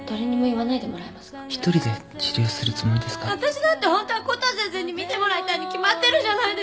わたしだってホントはコトー先生に診てもらいたいに決まってるじゃないですか。